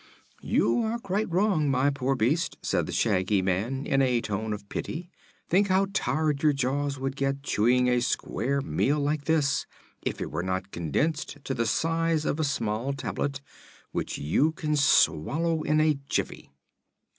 "You are quite wrong, my poor beast," said the Shaggy Man in a tone of pity. "Think how tired your jaws would get chewing a square meal like this, if it were not condensed to the size of a small tablet which you can swallow in a jiffy."